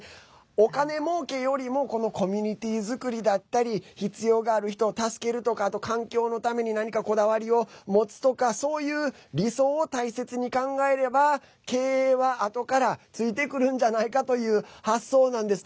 お金もうけよりもコミュニティー作りだったり必要がある人を助けるとかあと環境のために何かこだわりを持つとかそういう理想を大切に考えれば経営はあとからついてくるんじゃないかという発想なんです。